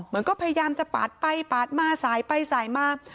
เหมือนก็พยายามจะปาดไปปาดมาสายไปสายมา